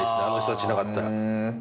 あの人たちいなかったら。